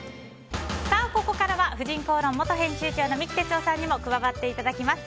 ここからは「婦人公論」元編集長の三木哲男さんにも加わっていただきます。